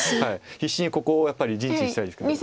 必死にここをやっぱり陣地にしたいですけど。